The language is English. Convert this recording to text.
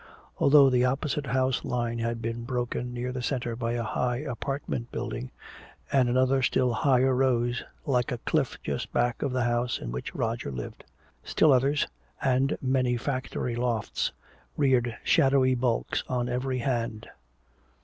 Already the opposite house line had been broken near the center by a high apartment building, and another still higher rose like a cliff just back of the house in which Roger lived. Still others, and many factory lofts, reared shadowy bulks on every hand.